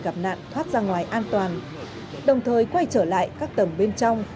gặp nạn thoát ra ngoài an toàn đồng thời quay trở lại các tầng bên trong